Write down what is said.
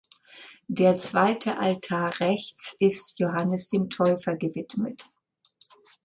Der zweite Altar rechts ist Johannes dem Täufer gewidmet.